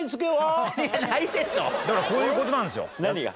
だからこういう事なんですよ。何が？